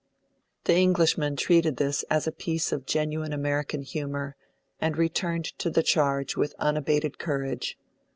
The Englishmen treated this as a piece of genuine American humour, and returned to the charge with unabated courage.